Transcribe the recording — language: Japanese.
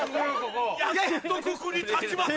やっとここに建ちます！